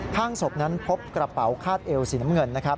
ข้างสบนั้นพบกระเป๋าคาดเอวสีน้ำเงิน